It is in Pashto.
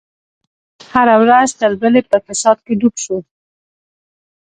هره ورځ تر بلې په فساد کې ډوب شو.